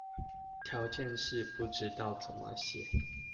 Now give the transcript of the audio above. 條件式不知道怎麼寫